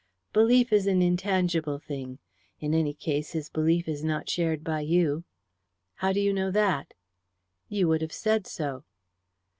"Belief is an intangible thing. In any case, his belief is not shared by you." "How do you know that?" "You would have said so."